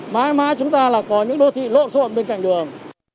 mai mai chúng ta là có những đô thị lộn xộn bên cạnh đường